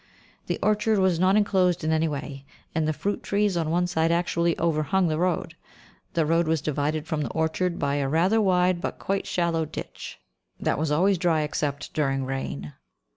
The orchard was not enclosed in any way, and the fruit trees on one side actually overhung the road. The road was divided from the orchard by a rather wide but quite shallow ditch, that was always dry except during rain.